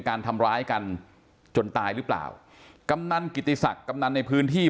การทำร้ายกันจนตายหรือเปล่ากำนันกิติศักดิ์กำนันในพื้นที่